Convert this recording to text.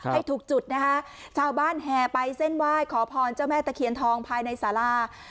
ให้ถูกจุดนะคะชาวบ้านแห่ไปเส้นไหว้ขอพรเจ้าแม่ตะเคียนทองภายในสารา